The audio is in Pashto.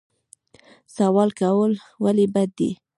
سوال کول ولې بد دي؟